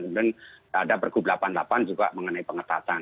kemudian ada pergub delapan puluh delapan juga mengenai pengetatan